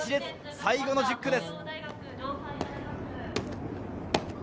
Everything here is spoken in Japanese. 最後の１０区です。